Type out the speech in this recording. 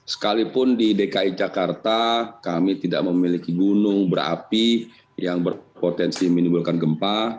sekalipun di dki jakarta kami tidak memiliki gunung berapi yang berpotensi menimbulkan gempa